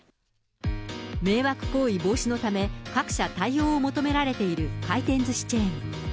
迷惑行為防止のため、各社対応を求められている回転ずしチェーン。